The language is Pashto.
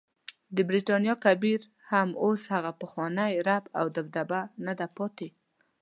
د برټانیا کبیر هم اوس هغه پخوانی رعب او دبدبه نده پاتې.